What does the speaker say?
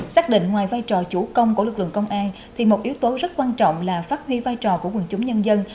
xác định ngoài vai trò chủ công của lực lượng công an thì một yếu tố rất quan trọng là phát huy vai trò của quần chúng nhân dân